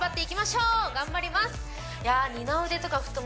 頑張ります！